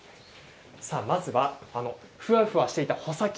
ふわふわしていた穂先